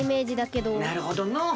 なるほどのう。